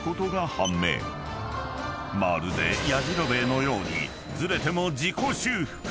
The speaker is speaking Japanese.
［まるでヤジロベエのようにずれても自己修復］